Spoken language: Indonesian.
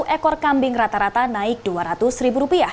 satu ekor kambing rata rata naik rp dua ratus